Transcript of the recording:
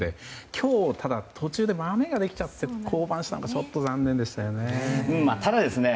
今日、ただ途中でマメができちゃって降板したのがちょっと残念でしたね。